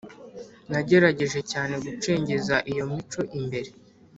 nagerageje cyane gucengeza iyo mico imbere,